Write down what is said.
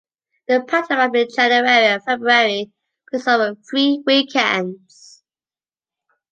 The pantomime in January and February plays over three weekends.